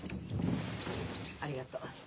ありがとう。